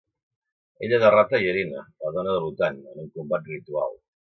Ella derrota Yareena, la dona de Lutan, en un combat ritual.